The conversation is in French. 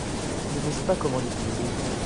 Je ne sais pas comment l'utiliser.